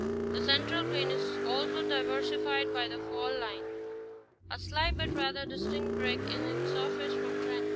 The Central plain is also diversified by the Fall line, a slight but rather distinct break in its surface from Trenton (Tr.)